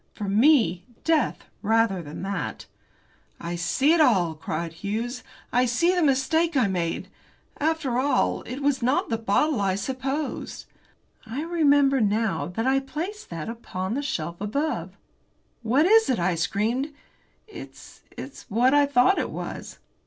For me, death rather than that. "I see it all," cried Hughes, "I see the mistake I made. After all, it was not the bottle I supposed. I remember now that I placed that upon the shelf above." "What is it?" I screamed. "It's it's what I thought it was."